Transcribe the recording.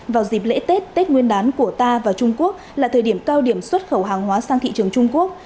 vào dịp lễ tết tết nguyên đán của ta và trung quốc là thời điểm cao điểm xuất khẩu hàng hóa sang thị trường trung quốc